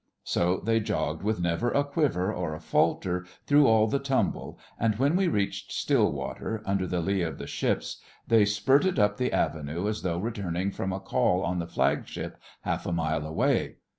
So they jogged with never a quiver or a falter through all the tumble, and when we reached still water, under the lee of the ships, they spurted up the avenue as though returning from a call on the flagship half a mile away.